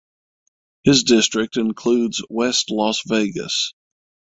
His district includes West Las Vegas.